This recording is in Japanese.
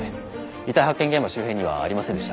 遺体発見現場周辺にはありませんでした。